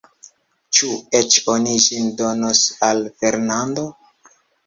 Ĉu eĉ oni ĝin donos al Fernando?